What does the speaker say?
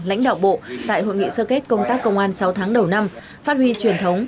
lãnh đạo bộ tại hội nghị sơ kết công tác công an sáu tháng đầu năm phát huy truyền thống